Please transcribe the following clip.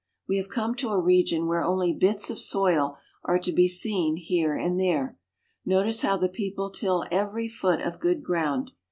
We have come to a region where only bits of soil are to be seen here and there. Notice how the people till every foot of good ground.